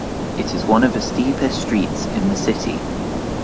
It is one of the steepest streets in the city.